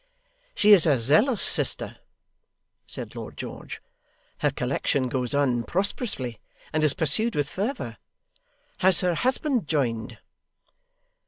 'She is a zealous sister,' said Lord George. 'Her collection goes on prosperously, and is pursued with fervour. Has her husband joined?